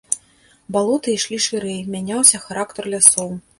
Балоты ішлі шырэй, мяняўся характар лясоў.